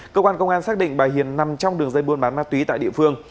cơ quan công an xác định bà hiền nằm trong đường dây buôn bán ma túy tại địa phương